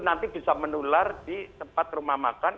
nanti bisa menular di tempat rumah makan